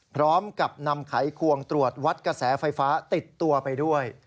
พร้อมกับนำไขควงตรวจวัดกระแสไฟฟ้าติดตัวไปด้วย